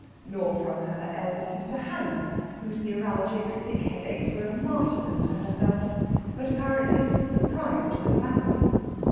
Nor from her elder sister Hannah, whose neuralgic sick headaches were a martyrdom to herself, but apparently a source of pride to her family.